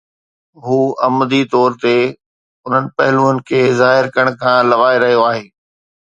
هو عمدي طور تي انهن پهلوئن کي ظاهر ڪرڻ کان لنوائي رهيو آهي.